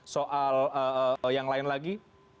soal yang lain lagi